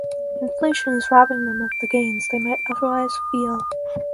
Inflation is robbing them of the gains they might otherwise feel.